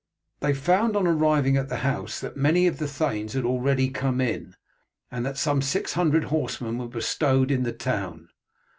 They found on arriving at the house that many of the thanes had already come in, and that some six hundred horsemen were bestowed in the town.